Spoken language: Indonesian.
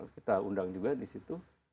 kita undang juga di situ